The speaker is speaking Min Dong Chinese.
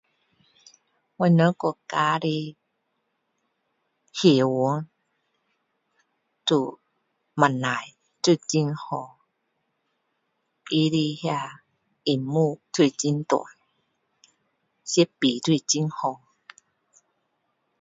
我们国家的戏院都不错都很好他的什么荧幕都是很大设备都是很好